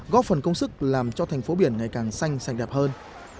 góp phần công sức làm cho thành phố biển ngày càng xanh sạch đẹp hơn